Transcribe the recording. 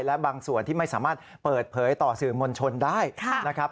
และบางส่วนที่ไม่สามารถเปิดเผยต่อสื่อมวลชนได้นะครับ